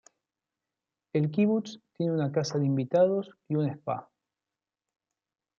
El "kibutz" tiene una casa de invitados y un "spa".